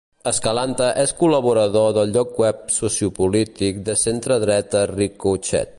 Escalante és col·laborador del lloc web sociopolític de centre-dreta Ricochet.